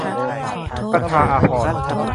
ประชาอาภรณ์